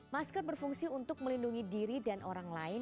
masker berfungsi untuk melindungi diri dan orang lain